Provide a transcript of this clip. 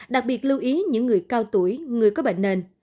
đặc biệt lưu ý những người cao tuổi người có bệnh nền